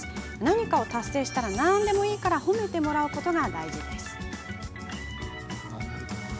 何かを達成したら何でもいいから褒めてもらうのが大事です。